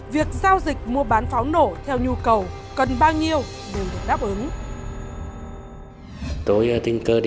việc giao dịch mua bán pháo nổ theo nhu cầu cần bao nhiêu nhưng được đáp ứng